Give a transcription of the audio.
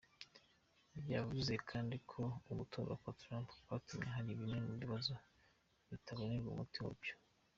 Yavuze kandi ko ugutorwa kwa Trump kwatumye hari bimwe mu bibazo bitabonerwa umuti wabyo.